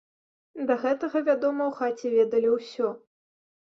Да гэтага, вядома, у хаце ведалі ўсё.